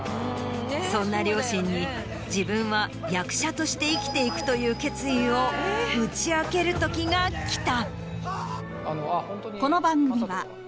そんな両親に自分は役者として生きていくという決意を打ち明ける時が来た。